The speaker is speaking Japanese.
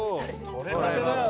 とれたてだよ！